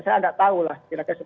saya tidak tahu lah